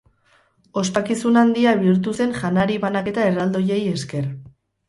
Ospakizun handia bihurtu zen janari-banaketa erraldoiei esker.